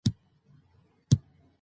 ازادي راډیو د سوداګري کیسې وړاندې کړي.